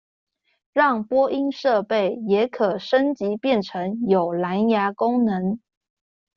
讓播音設備也可升級變成有藍芽功能